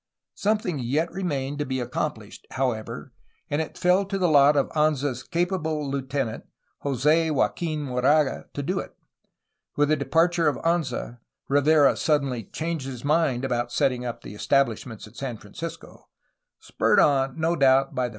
Something yet remained to be accomplished, however, and it fell to the lot of Anza^s capable lieutenant, Jos6 Joaquin Moraga, to do it. With the departure of Anza, Rivera suddenly changed his mind about setting up the establishments at San Francisco, spurred on, no doubt, by the.